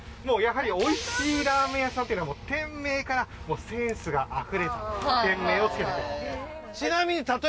もうやはりおいしいラーメン屋さんっていうのはもう店名からセンスがあふれる店名をつけています。